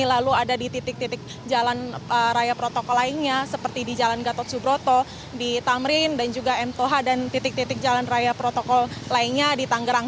lalu ada di titik titik jalan raya protokol lainnya seperti di jalan gatot subroto di tamrin dan juga m toh dan titik titik jalan raya protokol lainnya di tanggerang